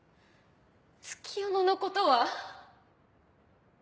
月夜野のことは？